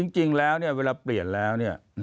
จริงแล้วเวลาเปลี่ยนแล้ว